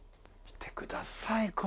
見てください